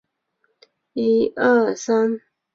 任何人都可以创建一个新的协作文档。